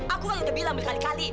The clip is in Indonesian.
aku kan udah bilang berkali kali